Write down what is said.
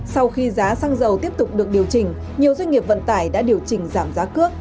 sau khi giá xăng dầu tiếp tục được điều chỉnh nhiều doanh nghiệp vận tải đã điều chỉnh giảm giá cước